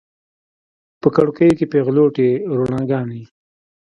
په کړکیو کې پیغلوټې روڼاګانې